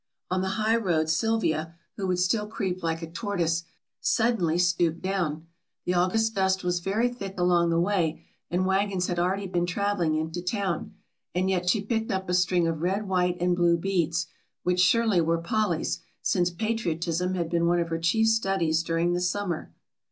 On the high road Sylvia, who would still creep like a tortoise, suddenly stooped down. The August dust was very thick along the way and wagons had already been traveling into town, and yet she picked up a string of red, white and blue beads, which surely were Polly's, since patriotism had been one of her chief studies during the summer.